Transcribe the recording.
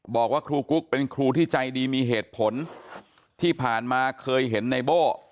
บอกว่าครูกุ๊กเป็นครูที่ใจดีมีเหตุผลที่ผ่านมาเคยเห็นในโบ้